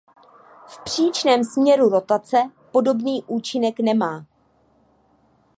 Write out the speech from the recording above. V příčném směru rotace podobný účinek nemá.